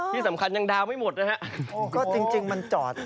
ที่สำคัญยังดาวน์ไม่หมดนะฮะก็จริงมันจอด